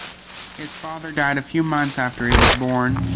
His father died a few months after he was born.